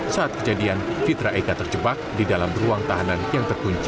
saat kejadian fitra eka terjebak di dalam ruang tahanan yang terkunci